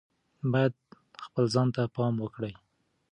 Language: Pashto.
باید خپل ځان ته پام وکړي.